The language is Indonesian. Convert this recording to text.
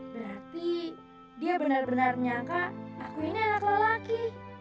berarti dia benar benar menyangka aku ini anak lelaki